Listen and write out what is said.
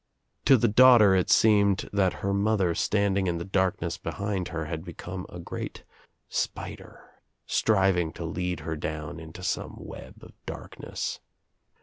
To the daughter it seemed that her mother standing in the darkness behind her had become a great spider, striving to lead her down into some web of darkness.